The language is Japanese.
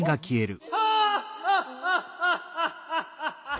あっ！